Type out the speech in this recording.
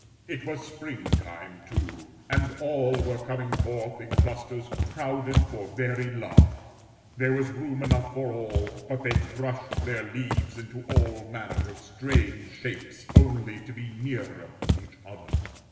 It was Spring time, too; and all were coming forth in clusters crowded for very love; there was room enough for all, but they crushed their leaves into all manner of strange shapes only to be nearer each other.